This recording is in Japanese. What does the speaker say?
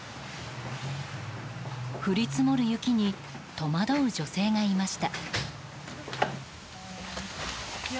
降り積もる雪に戸惑う女性がいました。